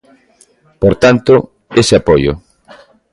Por tanto, ese apoio.